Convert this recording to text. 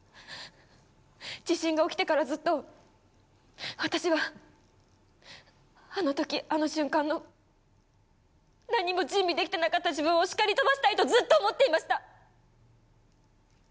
地震が起きてからずっと私はあの時あの瞬間の何も準備できてなかった自分を叱り飛ばしたいとずっと思っていました。